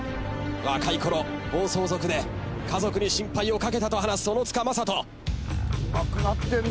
若いころ暴走族で家族に心配を掛けたと話す小野塚雅人。